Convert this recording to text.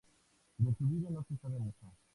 De su vida no se sabe mucho.